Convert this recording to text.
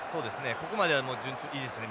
ここまでは順調いいですね